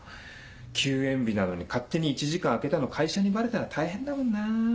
休園日なのに勝手に１時間開けたの会社にバレたら大変だもんなぁ。